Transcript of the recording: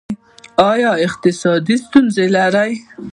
ایا اقتصادي ستونزې لرئ؟